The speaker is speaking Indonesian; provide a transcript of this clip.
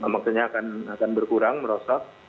maksudnya akan berkurang merosot